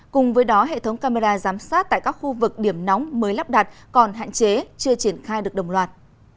cùng với đó hệ thống camera giám sát tại các khu vực điểm nóng mới lắp đặt còn hạn chế chưa triển khai được đồng loạt